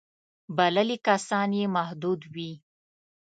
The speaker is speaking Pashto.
بللي کسان یې محدود وي.